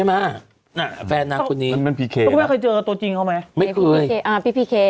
นั่นแฟนนักคุณนี้คุณแม่ให้เจอตัวจรรย์กองกับเขาไหมคนพรรดิพี่พีเค